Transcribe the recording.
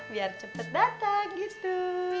biar cepet datang gitu